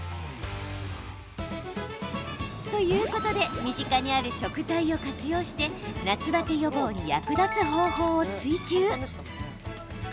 ということで身近にある食材を活用して夏バテ予防に役立つ方法を追求。